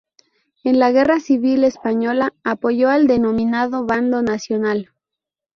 En la Guerra Civil Española apoyó al denominado bando nacional.